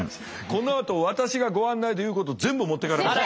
このあと私がご案内で言うこと全部持ってかれた。